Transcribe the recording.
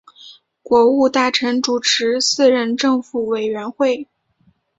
国务大臣主持四人政府委员会。